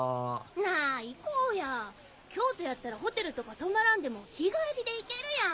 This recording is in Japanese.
なぁ行こうや京都やったらホテルとか泊まらんでも日帰りで行けるやん。